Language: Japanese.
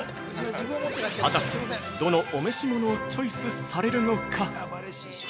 ◆果たして、どのお召し物をチョイスされるのか！？